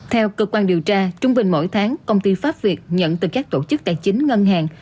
theo cơ quan điều tra trung bình mỗi tháng công ty pháp việt nhận từ các tổ chức tài chính ngân hàng